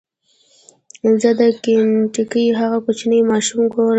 زه د کینټکي هغه کوچنی ماشوم ګورم.